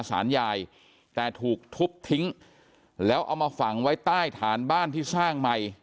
สารยายแต่ถูกทุบทิ้งแล้วเอามาฝังไว้ใต้ฐานบ้านที่สร้างใหม่